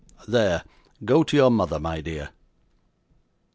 There; go to your mother, my dear.